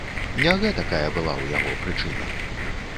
Не гэтакая была ў яго прычына.